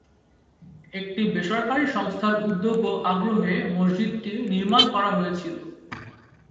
একটি বেসরকারী সংস্থার উদ্যোগ ও আগ্রহে মসজিদটি নির্মাণ করা হয়েছিল।